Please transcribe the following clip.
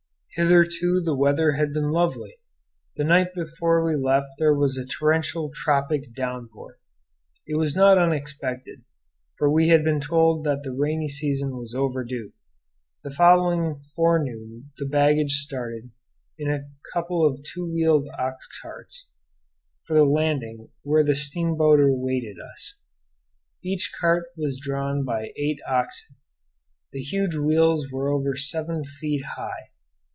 Hitherto the weather had been lovely. The night before we left there was a torrential tropic downpour. It was not unexpected, for we had been told that the rainy season was overdue. The following forenoon the baggage started, in a couple of two wheeled ox carts, for the landing where the steamboat awaited us. Each cart was drawn by eight oxen. The huge wheels were over seven feet high.